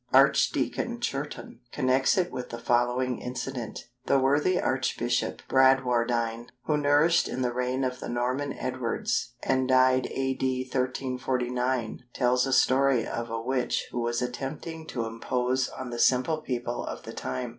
Archdeacon Churton connects it with the following incident:—"The worthy Abp. Bradwardine, who nourished in the reign of the Norman Edwards, and died A.D. 1349, tells a story of a witch who was attempting to impose on the simple people of the time.